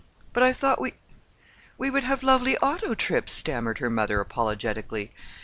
"But I thought we—we would have lovely auto trips," stammered her mother apologetically.